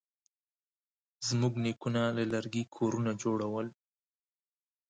زموږ نیکونه له لرګي کورونه جوړول.